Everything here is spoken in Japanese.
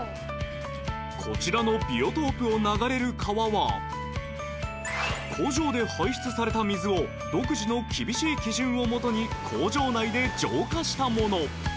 こちらのビオトープを流れる川は工場で排出された水を独自の厳しい基準を元に工場内で浄化したもの。